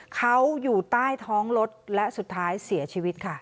เขาอยู่ใต้ท้องรถและสุดท้ายเสียชีวิตค่ะ